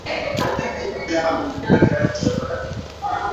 Weka viazi na maji